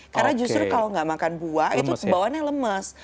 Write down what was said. karena justru kalau gak makan buah itu bawaannya lemas